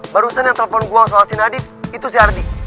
barusan yang telepon gue soal si nadi itu si ardi